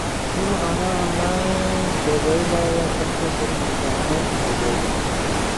ت تو آںا آن لائن تو بئیلا یا خلقو ست مخامخ تو بھئیلا۔